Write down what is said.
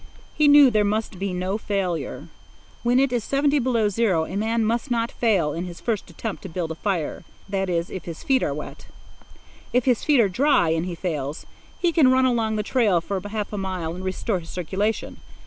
He knew there must be no failure. When it is seventy five below zero, a man must not fail in his first attempt to build a fire—that is, if his feet are wet. If his feet are dry, and he fails, he can run along the trail for half a mile and restore his circulation.